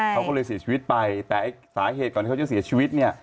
เขาก็เลยเสียชีวิตไปแต่ไอ้สาเหตุก่อนที่เขาจะเสียชีวิตเนี่ย